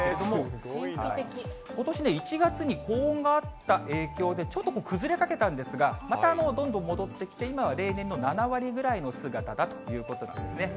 ことし１月に高温があった影響で、ちょっと崩れかけたんですが、またどんどん戻ってきて、今は例年の７割ぐらいの姿だということなんですね。